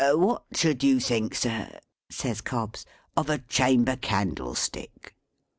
"What should you think, sir," says Cobbs, "of a chamber candlestick?"